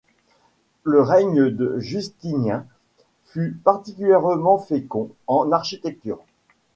Le règne de Justinien fut particulièrement fécond en architecture.